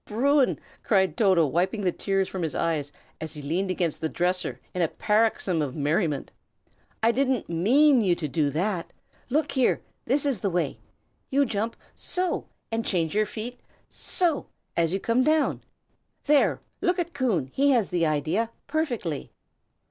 Bruin!" cried Toto, wiping the tears from his eyes, as he leaned against the dresser in a paroxysm of merriment. "I didn't mean you to do that! Look here! this is the way. You jump so! and change your feet so! as you come down. There, look at Coon; he has the idea, perfectly!"